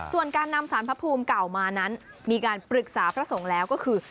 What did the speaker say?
ส่วนการนำสารพระภูมิเก่ามานั้นมีการปรึกษาพระสงฆ์แล้วก็คือ